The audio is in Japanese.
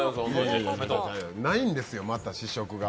ないんですよ、また試食が。